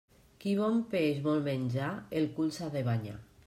Qui bon peix vol menjar, el cul s'ha de banyar.